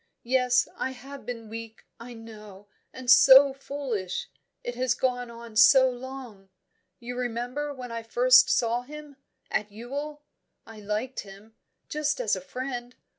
Yes, I have been weak, I know, and so foolish! It has gone on so long. You remember when I first saw him, at Ewell? I liked him, just as a friend.